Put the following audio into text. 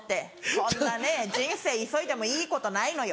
そんなね人生急いでもいいことないのよ。